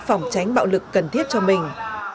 phòng tránh bạo lực cần thiết cho mình